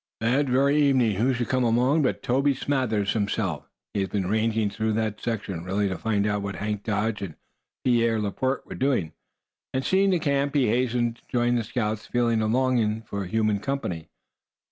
That very evening who should come along but Toby Smathers himself. He had been ranging through that section, really to find out what Hank Dodge and Pierre Laporte were doing; and seeing the camp had hastened to join the scouts feeling a longing for human company.